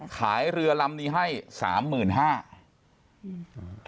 ขายเรือลำนี้ให้๓๕๐๐๐บาท